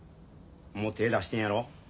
もう手ぇ出してんやろ？